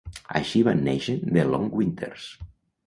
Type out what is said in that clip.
Així van néixer The Long Winters.